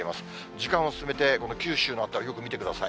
時間を進めて九州の辺りをよく見てください。